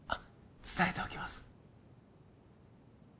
伝えておきます